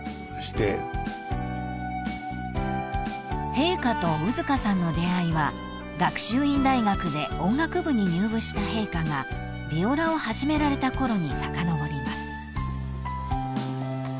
［陛下と兎束さんの出会いは学習院大学で音楽部に入部した陛下がビオラを始められたころにさかのぼります］